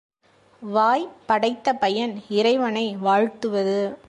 வாய் படைத்த பயன் இறைவனை வாழ்த்துவது.